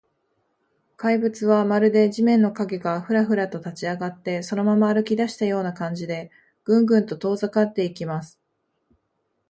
怪物は、まるで地面の影が、フラフラと立ちあがって、そのまま歩きだしたような感じで、グングンと遠ざかっていきます。